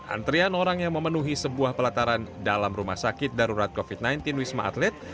antrian orang yang memenuhi sebuah pelataran dalam rumah sakit darurat covid sembilan belas wisma atlet